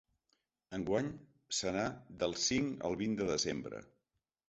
Enguany, serà del cinc al vint de desembre.